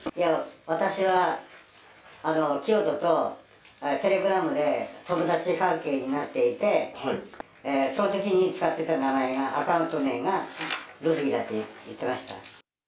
私は磨人とテレグラムで友達関係になっていて、そのときに使ってた名前が、アカウント名が、ルフィだって言ってました。